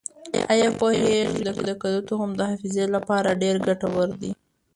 آیا پوهېږئ چې د کدو تخم د حافظې لپاره ډېر ګټور دی؟